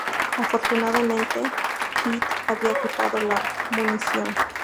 Afortunadamente, Pete había quitado la munición.